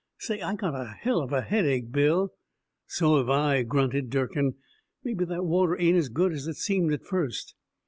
"Say, I got a hell of a headache, Bill." "So've I," grunted Durkin. "Maybe that water ain't as good as it seemed at first."